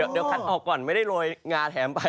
เดี๋ยวคัดออกก่อนไม่ได้โรยงาแถมไป